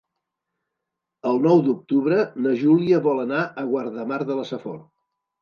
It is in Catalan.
El nou d'octubre na Júlia vol anar a Guardamar de la Safor.